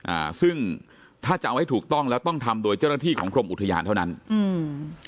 อ่าซึ่งถ้าจะเอาให้ถูกต้องแล้วต้องทำโดยเจ้าหน้าที่ของกรมอุทยานเท่านั้นอืม